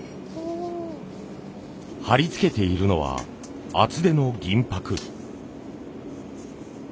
貼り付けているのは厚手の銀箔。